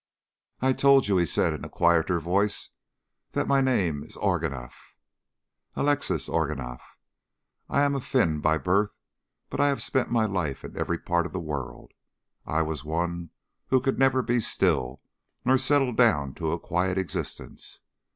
"I told you," he said in a quieter voice, "that my name is Ourganeff Alexis Ourganeff. I am a Finn by birth, but I have spent my life in every part of the world. I was one who could never be still, nor settle down to a quiet existence.